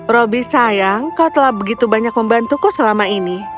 roby sayang kau telah begitu banyak membantuku selama ini